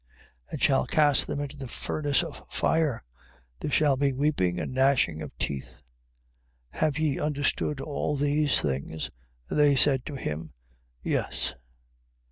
13:50. And shall cast them into the furnace of fire: there shall be weeping and gnashing of teeth. 13:51. Have ye understood all these things? They say to him: Yes.